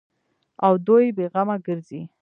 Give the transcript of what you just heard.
او دوى بې غمه گرځي.